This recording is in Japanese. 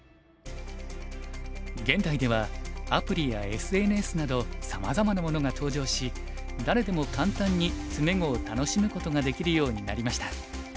現代ではアプリやＳＮＳなどさまざまなものが登場し誰でも簡単に詰碁を楽しむことができるようになりました。